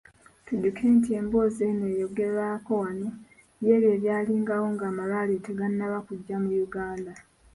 Tujjukire nti emboozi eno eyogerwako wano y’ebyo ebyalingawo ng’amalwaliro tegannaba kujja mu Uganda.